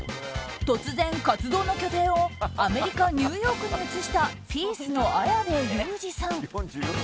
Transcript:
突然、活動の拠点をアメリカ・ニューヨークに移したピースの綾部祐二さん。